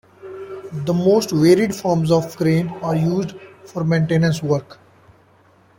The most varied forms of crane are used for maintenance work.